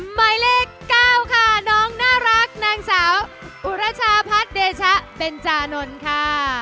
หมายเลข๙ค่ะน้องน่ารักนางสาวอุรชาพัฒน์เดชะเบนจานนท์ค่ะ